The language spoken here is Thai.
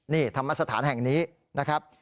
นี่ธรรมสถานแห่งนี้นะครับ